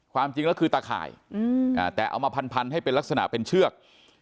ความจริงแล้วคือตะข่ายแต่เอามาพันให้เป็นลักษณะเป็นเชือก